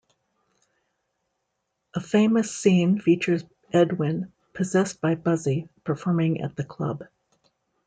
A famous scene features Edwin, possessed by Buzzy, performing at the Club.